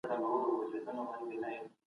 له خوبونو